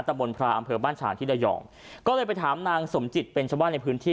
ตะบนพราอำเภอบ้านฉางที่ระยองก็เลยไปถามนางสมจิตเป็นชาวบ้านในพื้นที่